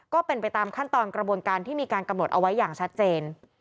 ก็เป็นไปตามขั้นตอนกระบวนการที่มีการกำหนดเอาไว้อย่างชัดเจน